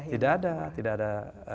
tidak ada tidak ada